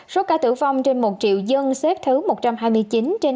số ca tử phong trên một triệu dân xếp thứ một trăm hai mươi chín trên hai trăm linh